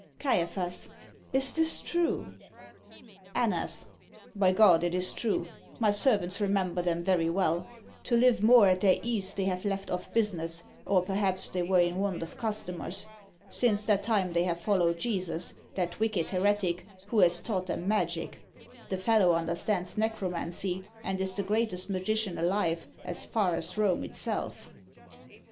CAIAPHAS. Is this true? ANNAS. By God, it is true; my servants remember them very well. To live more at their ease they have left off business; or perhaps they were in want of customers. Since that time they have followed Jesus, that wicked heretic, who has taught them magic; the fellow understands necromancy, and is the greatest magician alive, as far as Rome itself.